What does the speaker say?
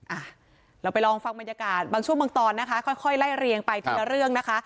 อ่ะเราไปลองฟังบรรยากาศบางช่วงบางตอนนะคะค่อยค่อยไล่เรียงไปทีละเรื่องนะคะ